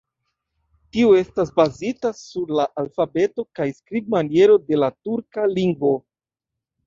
Tiu estas bazita sur la alfabeto kaj skribmaniero de la turka lingvo.